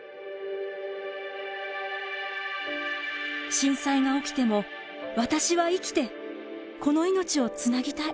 「震災が起きても私は生きてこの命を繋ぎたい」。